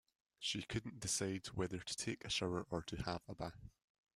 She couldn't decide whether to take a shower or to have a bath.